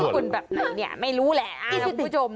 ญี่ปุ่นแบบไหนเนี่ยไม่รู้แหละอ่าน้องผู้ชม